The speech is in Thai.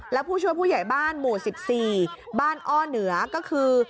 และผู้ช่วยผู้ใหญ่บ้านหมู่๑๔บ้านอ้อเหนือก็คือ